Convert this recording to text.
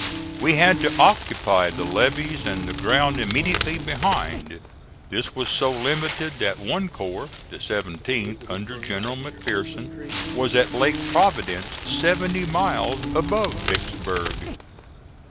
We had to occupy the levees and the ground immediately behind. This was so limited that one corps, the 17th, under General McPherson, was at Lake Providence, seventy miles above Vicksburg.